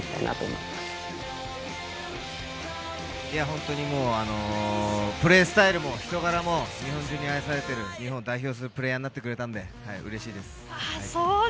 本当にもうプレースタイルも人柄も日本中に愛されている日本を代表するプレーヤーになってくれたので嬉しいです。